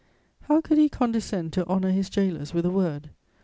How could he condescend to honour his gaolers with a word?